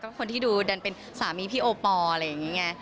คนที่ดูดันเป็นสามีพี่โอปอลอะไรอย่างนี้ไง